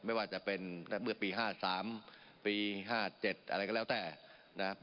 ไม่ว่าจะเป็นเมื่อปี๕๓ปี๕๗อะไรก็แล้วแต่นะครับ